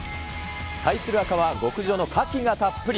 対する赤は極上のカキがたっぷり。